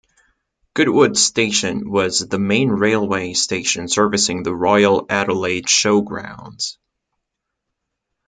Goodwood station was the main railway station servicing the Royal Adelaide Showgrounds.